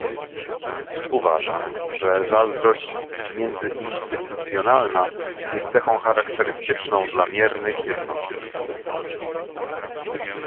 Uważam, że zazdrość międzyinstytucjonalna jest cechą charakterystyczną dla miernych jednostek